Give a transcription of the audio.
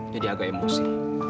jadi agak emosi